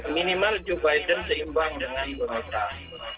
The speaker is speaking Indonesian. minimal joe biden seimbang dengan joe biden